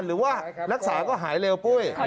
หรือว่านักศาสตร์ก็หายแล้วปุ้ย